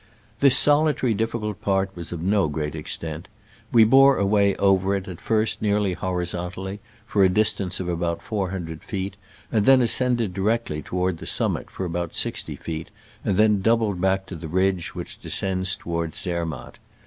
This solitar)' difficult part was of no great extent. We bore away over it at first nearly horizontally, for a distance of about four hundred feet, then ascend ed directly toward the summit for about sixty feet, and then doubled back to the ridge which descends toward Zermatt.